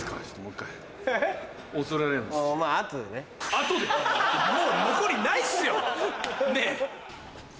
あとで⁉もう残りないっすよねぇ！